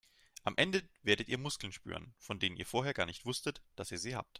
Am Ende werdet ihr Muskeln spüren, von denen ihr vorher gar nicht wusstet, dass ihr sie habt.